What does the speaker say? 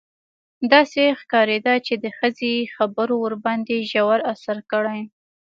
داسې ښکارېده چې د ښځې خبرو ورباندې ژور اثر کړی.